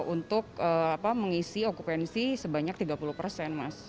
untuk mengisi okupansi sebanyak tiga puluh persen mas